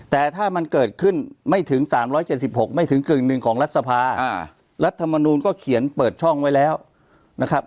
แต่ถ้ามันเกิดขึ้นไม่ถึง๓๗๖ไม่ถึงกึ่งหนึ่งของรัฐสภารัฐมนูลก็เขียนเปิดช่องไว้แล้วนะครับ